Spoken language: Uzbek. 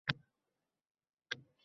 Qadrini belgilab turgan bokira